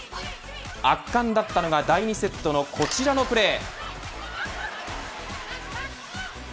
圧巻だったのが、第２セットのこちらのプレー。